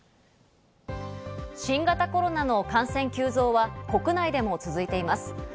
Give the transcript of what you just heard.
新型コロナの感染急増は国内でも続いています。